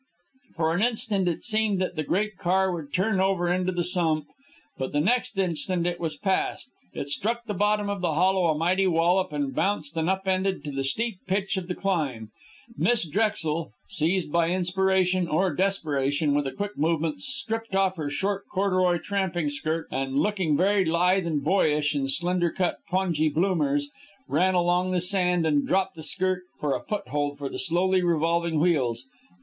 For an instant it seemed that the great car would turn over into the sump, but the next instant it was past. It struck the bottom of the hollow a mighty wallop, and bounced and upended to the steep pitch of the climb. Miss Drexel, seized by inspiration or desperation, with a quick movement stripped off her short, corduroy tramping skirt, and, looking very lithe and boyish in slender cut pongee bloomers, ran along the sand and dropped the skirt for a foothold for the slowly revolving wheels.